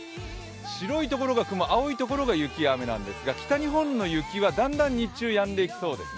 白いところが雲、青いところが雪や雨なんですけれども北日本の雪はだんだん日中やんでいきそうですね。